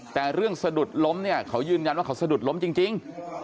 แต่เรื่องสะดุดล้มเนี่ยเขายืนยันว่าเขาสะดุดล้มจริง